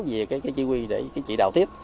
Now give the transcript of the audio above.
về cái chỉ huy để chỉ đạo tiếp